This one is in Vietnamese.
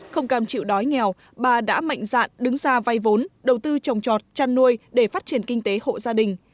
không cam chịu đói nghèo bà đã mạnh dạn đứng ra vay vốn đầu tư trồng trọt chăn nuôi để phát triển kinh tế hộ gia đình